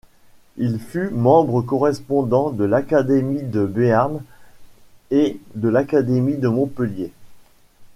Il fut membre correspondant de l'Académie de Béarn et de l'Académie de Montpellier.